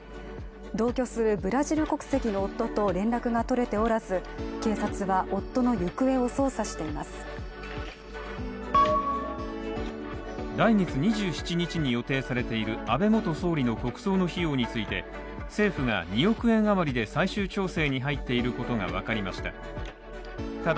同居するブラジル国籍の夫と連絡が取れておらず来月２７日に予定されている安倍元総理の国葬の費用について政府が２億円余りで最終調整に入っていることが分かりました。